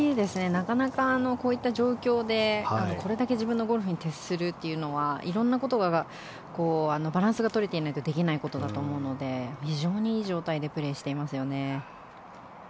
なかなかこういった状況でこれだけ自分のゴルフに徹するというのは色んなことがバランスが取れていないとできないことだと思うので非常にいい状態でプレーしていますよね。